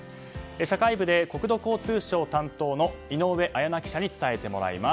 社会部で国土交通省担当の井上文那記者に伝えてもらいます。